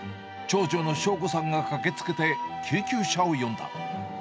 長女のしょうこさんが駆けつけて、救急車を呼んだ。